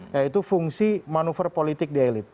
yaitu fungsi manuver politik di elit